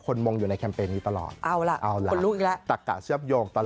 คนมงอยู่ในแคมเปญนี้ตลอดเอาล่ะตะกะเชื้อบโยงตลอด